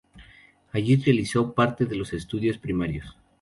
Allí realizó parte de los estudios primarios.